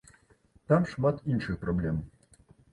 Там шмат іншых праблем.